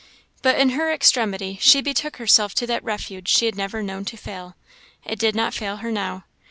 But in her extremity she betook herself to that refuge she had never known to fail: it did not fail her now.